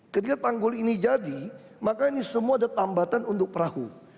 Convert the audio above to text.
ketika tanggul ini jadi maka ini semua ada tambatan untuk perahu